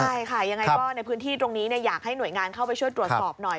ใช่ค่ะยังไงก็ในพื้นที่ตรงนี้อยากให้หน่วยงานเข้าไปช่วยตรวจสอบหน่อย